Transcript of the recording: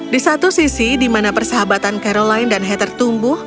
di satu sisi di mana persahabatan caroline dan heather tumbuh